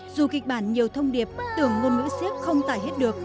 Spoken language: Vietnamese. dù kịch bản nhiều thông điệp tưởng ngôn ngữ siếc không tải hết được